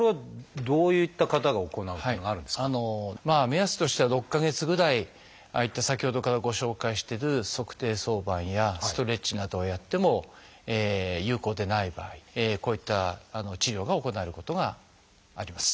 目安としては６か月ぐらいああいった先ほどからご紹介してる足底挿板やストレッチなどをやっても有効でない場合こういった治療が行われることがあります。